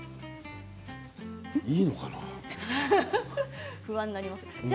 いいのかな？